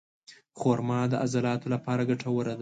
خرما د عضلاتو لپاره ګټوره ده.